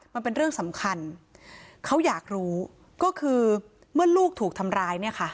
มันเป็นเรื่องสำคัญเขาอยากรู้ก็คือเมื่อลูกถูกทำร้ายเนี่ยค่ะ